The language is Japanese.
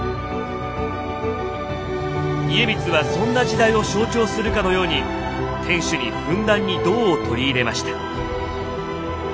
家光はそんな時代を象徴するかのように天守にふんだんに銅を取り入れました。